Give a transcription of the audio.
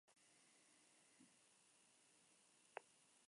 Cup y en la final de Scottish League Cup, y terminó cuarto en liga.